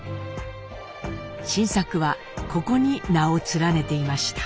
新作はここに名を連ねていました。